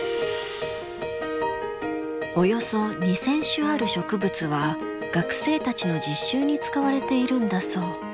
およそ２，０００種ある植物は学生たちの実習に使われているんだそう。